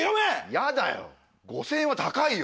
ヤダよ５０００円は高いよ。